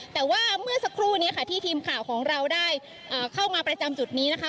แต่ว่าเมื่อสักครู่นี้ค่ะที่ทีมข่าวของเราได้เข้ามาประจำจุดนี้นะคะ